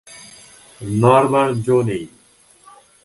নড়বার জো নেই।